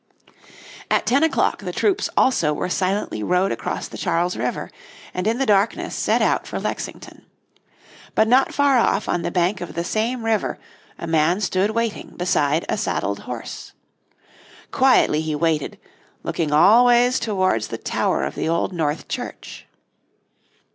At ten o'clock the troops also were silently rowed across the Charles River, and in the darkness set out for Lexington. But not far off on the bank of the same river, a man stood waiting beside a saddled horse. Quietly he waited, looking always towards the tower of the Old North Church.